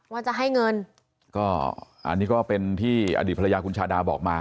ว่าจะให้เงินก็อันนี้ก็เป็นที่อดีตภรรยาคุณชาดาบอกมา